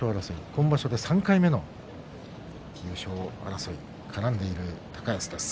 今場所で３回目の優勝争いに絡んでいる高安です。